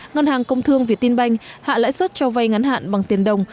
ngân hàng công thương việt tinh banh hạ lãi xuất cho vay ngắn hạn bằng tiền đồng